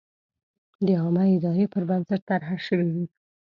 د عامه ارادې پر بنسټ طرحه شوې وي.